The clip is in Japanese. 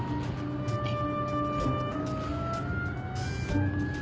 えっ。